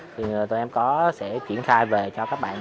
thì tụi em sẽ chuyển khai về cho các bạn